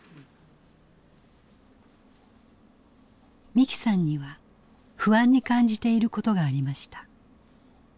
美紀さんには不安に感じていることがありました。